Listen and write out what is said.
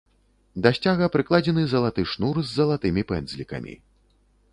Да сцяга прыкладзены залаты шнур з залатымі пэндзлікамі.